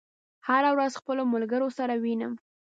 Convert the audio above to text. هره ورځ خپلو ملګرو سره وینم